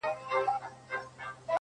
ښه دی په دې ازمايښتونو کي به ځان ووينم~